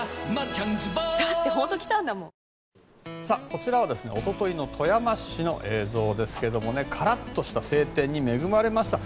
こちらはおとといの富山市の映像ですけどもカラッとした晴天に恵まれました。